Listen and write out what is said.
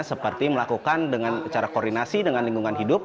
seperti melakukan dengan cara koordinasi dengan lingkungan hidup